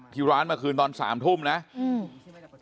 ที่ร้านเมื่อคืนตอนสามทุ่มนะอืม